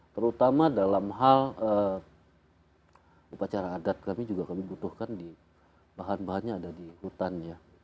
terutama dalam hal upacara adat kami juga kami butuhkan di bahan bahannya ada di hutan ya